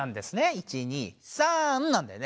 １２３なんだよね。